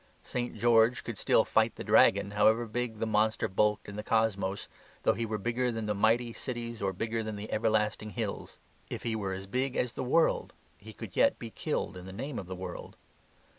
St. George could still fight the dragon, however big the monster bulked in the cosmos, though he were bigger than the mighty cities or bigger than the everlasting hills. If he were as big as the world he could yet be killed in the name of the world.